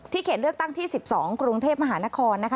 เขตเลือกตั้งที่๑๒กรุงเทพมหานครนะคะ